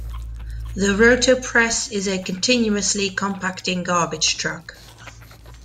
The Rotopress is a continuously compacting garbage truck.